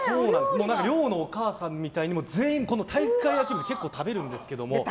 寮のお母さんみたいに全員、体育会系は結構、食べるんですけど。